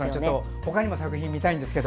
ほかにも作品見たいんですけど。